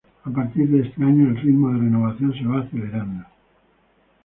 A partir de este año el ritmo de renovación se va acelerando.